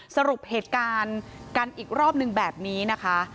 สรุปเหตุการณ์กันอีกรอบนึงแบบนี้นะคะ